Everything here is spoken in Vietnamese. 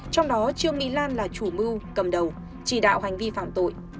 trong đó trương mỹ lan là chủ mưu cầm đầu chỉ đạo hành vi phạm tội